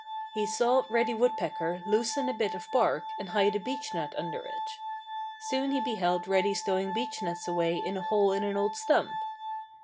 He saw Reddy Woodpecker loosen a bit of bark and hide a beechnut under it. Soon he beheld Reddy stowing beechnuts away in a hole in an old stump.